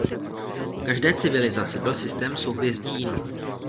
V každé civilizaci byl systém souhvězdí jiný.